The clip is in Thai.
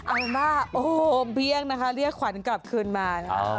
อ้าวมากโอ้เราไม่เพียงนะคะเรียกขวัญกลับขึ้นมาแล้วก็